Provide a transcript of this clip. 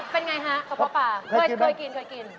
เป็นอย่างไรฮะกะเพาะปลาเคยกิน